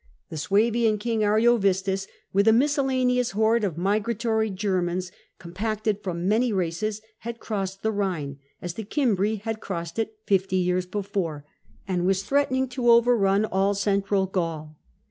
The Suevian king Ariovistus with a miscellaneous horde of migratory Germans, compacted from many races, had crossed the Rhine, as the Cimbri had crossed it fifty years before, and was threatening to overrun all Central Gaul.